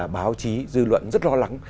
báo chí dư luận rất lo lắng